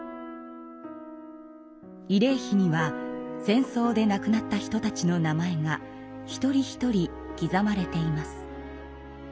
慰霊碑には戦争で亡くなった人たちの名前が一人一人刻まれています。